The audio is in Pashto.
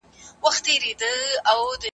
پاکې جامې واغوندئ او عطر وکاروئ.